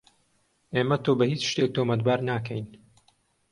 ئێمە تۆ بە هیچ شتێک تۆمەتبار ناکەین.